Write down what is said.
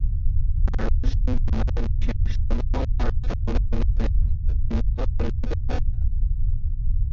ভারতের সংবিধান বিশ্বের সার্বভৌম রাষ্ট্রগুলির মধ্যে বৃহত্তম লিখিত সংবিধান।